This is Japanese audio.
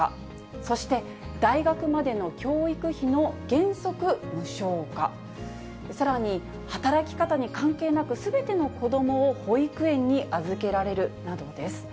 そして大学までの教育費の原則無償化、さらに働き方に関係なく、すべての子どもを保育園に預けられるなどです。